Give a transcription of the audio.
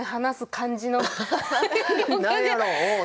何やろう何？